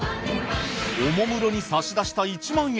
おもむろに差し出した１万円。